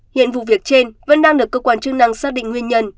hiện vụ việc trên vẫn đang được cơ quan chức năng xác định nguyên nhân